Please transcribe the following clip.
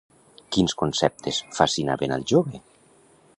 Quins conceptes fascinaven al jove?